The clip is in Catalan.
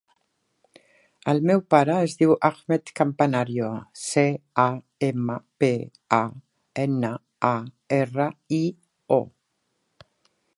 El meu pare es diu Ahmed Campanario: ce, a, ema, pe, a, ena, a, erra, i, o.